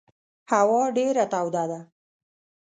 هوا ډېره توده ده.